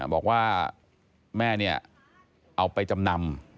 บอกว่าแม่เนี่ยเอาไปจำนำ